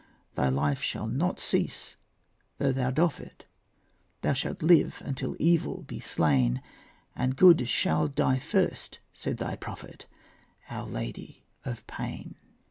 Thy life shall not cease though thou doff it; Thou shalt live until evil be slain, And good shall die first, said thy prophet, Our Lady of Pain.